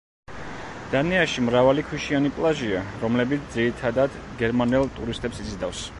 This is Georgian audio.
დანიაში მრავალი ქვიშიანი პლაჟია, რომლებიც ძირითადად გერმანელ ტურისტებს იზიდავს.